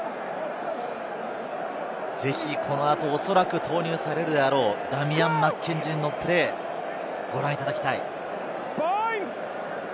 この後、おそらく投入されるであろうダミアン・マッケンジーのプレー、ご覧いただきたい。